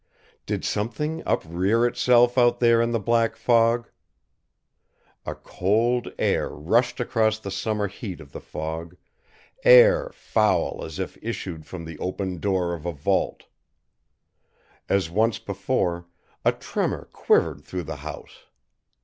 Did Something uprear Itself out there in the black fog? A cold air rushed across the summer heat of the fog; air foul as if issued from the opened door of a vault. As once before, a tremor quivered through the house.